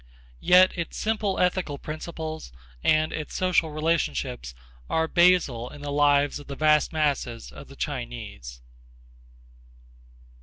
Yet its simple ethical principles and its social relationships are basal in the lives of the vast masses of the Chinese.